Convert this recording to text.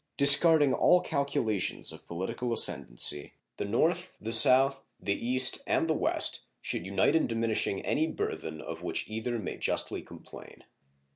Discarding all calculations of political ascendancy, the North, the South, the East, and the West should unite in diminishing any burthen of which either may justly complain.